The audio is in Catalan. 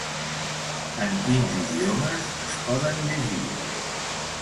En quins idiomes es poden llegir?